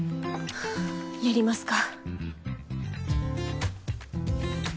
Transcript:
はぁやりますか。